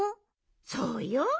そうよ。